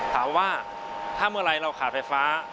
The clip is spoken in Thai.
ถามว่าถ้าเมื่อไหร่เราขาดไฟฟ้า